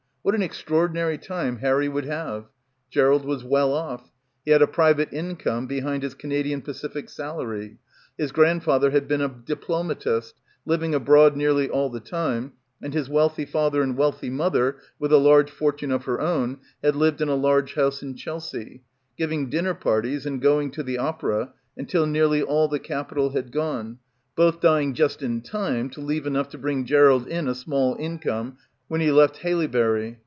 What an extraor dinary time Harry would have. Gerald was well off. He had a private income behind his Canadian Pacific salary. His grandfather had been a diplomatist, living abroad nearly all the time, and his wealthy father and wealthy mother with a large fortune of her own had lived in a large house in Chelsea, giving dinner parties and going to the opera until nearly all the capital had gone, both dying just in time to leave enough to bring Gerald in a small income when he left Haileybury.